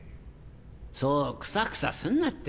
そうくさくさすんなって。